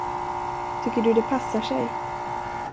Tycker du det passar sig?